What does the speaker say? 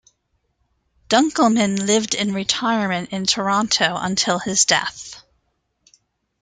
Dunkelman lived in retirement in Toronto until his death.